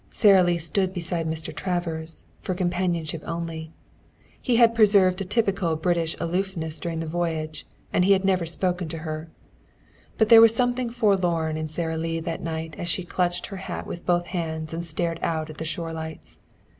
Sara Lee stood beside Mr. Travers, for companionship only. He had preserved a typically British aloofness during the voyage, and he had never spoken to her. But there was something forlorn in Sara Lee that night as she clutched her hat with both hands and stared out at the shore lights.